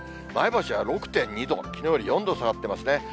前橋は６．２度、きのうより４度下がってますね。